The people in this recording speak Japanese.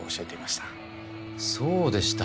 そうでした。